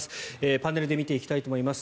パネルで見ていきたいと思います。